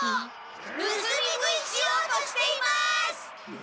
ぬすみ食いしようとしています！